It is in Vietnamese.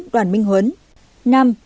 bốn đoàn minh huấn